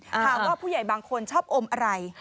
ห๊าวเอาคำว่าผู้ใหญ่บางคนชอบอมอะไร